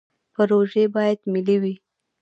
پروژې باید ملي وي